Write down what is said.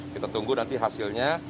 kita tunggu nanti hasilnya